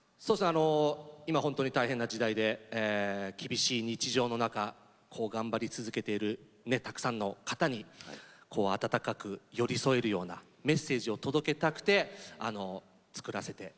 今本当に大変な時代で厳しい日常の中頑張り続けているたくさんの方に温かく寄り添えるようなメッセージを届けたくて作らせていただきました。